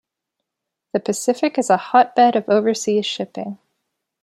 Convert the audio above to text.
The Pacific is a hotbed of overseas shipping.